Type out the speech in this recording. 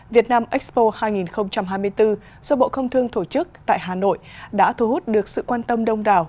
việt nam expo hai nghìn hai mươi bốn do bộ công thương thổ chức tại hà nội đã thu hút được sự quan tâm đông đảo